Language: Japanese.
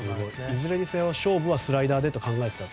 いずれにしても勝負はスライダーでと考えていたと。